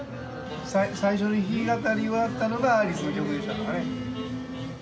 最初に弾き語りをやったのがアリスの曲でしたからね。